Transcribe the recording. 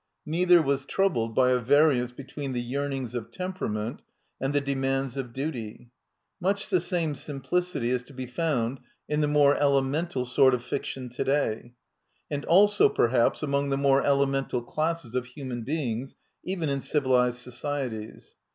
Neither was troubled by a variance between the yearnings of temperament and the demands of duty. Much ^/ the same simplicity is to be found in the more ele mental sort of fiction to day; and also, perhaps, among the more elemental classes of human beings, even in civilized societies.